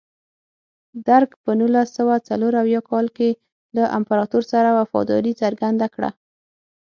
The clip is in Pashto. درګ په نولس سوه څلور اویا کال کې له امپراتور سره وفاداري څرګنده کړه.